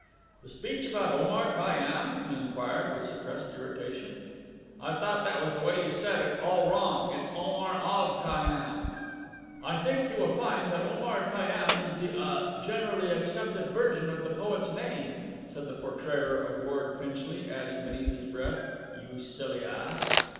"The speech about Omar Khayyám?" he enquired with suppressed irritation. "I thought that was the way you said it. All wrong! It's Omar of Khayyám." "I think you will find that Omar Khayyám is the ah generally accepted version of the poet's name," said the portrayer of Lord Finchley adding beneath his breath. "You silly ass!"